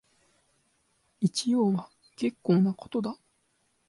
一応は結構なことだ